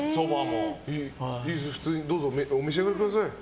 普通にどうぞお召し上がりください。